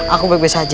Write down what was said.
aku baik baik saja